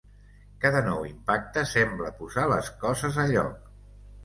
Cada nou impacte sembla posar les coses a lloc.